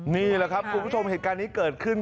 นี่แหละครับคุณผู้ชมเหตุการณ์นี้เกิดขึ้น